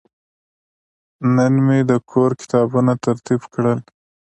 نن مې د کور کتابونه ترتیب کړل.